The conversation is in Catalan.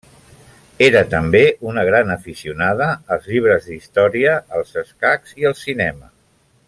Era també una gran aficionada als llibres d'història, els escacs i el cinema.